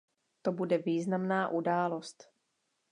To bude významná událost.